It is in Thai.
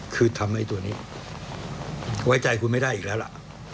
คือทำไอ้ตัวนี้ไว้ใจคุณไม่ได้อีกแล้วล่ะ